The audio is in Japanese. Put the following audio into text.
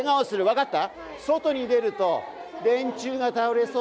分かった？